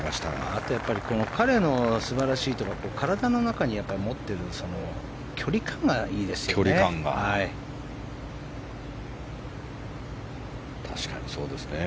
あとやっぱり彼の素晴らしいところは体の中に持っている距離感がいいですよね。